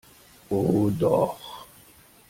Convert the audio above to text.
Oh doch!